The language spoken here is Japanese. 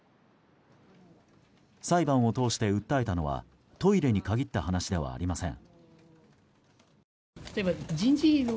裁判を通して訴えたのはトイレに限った話ではありません。